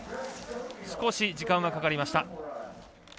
少し時間はかかりました。